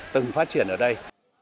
từng phát triển ở đây